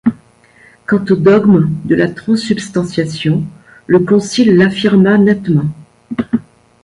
Quant au dogme de la transsubstantiation, le concile l'affirma nettement.